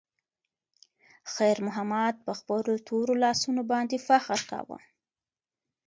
خیر محمد په خپلو تورو لاسونو باندې فخر کاوه.